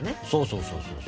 そうそうそう。